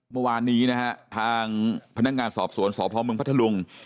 เมื่อวานนี้นะครับทางพนักงานสอบสวนสอบภองเมืองพัทธรุง